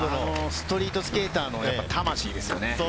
ストリートスケーターの魂ですよね。